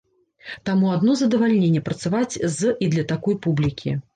Таму адно задавальненне працаваць з і для такой публікі.